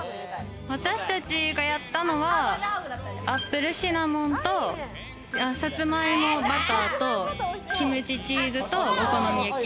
私たちがやったのは、アップルシナモンとさつまいもバターと、キムチチーズとお好み焼き。